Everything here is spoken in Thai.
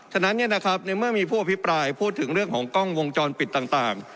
ฉะนั้นในเมื่อมีผู้อภิปรายพูดถึงเรื่องของกล้องวงจรปิดต่าง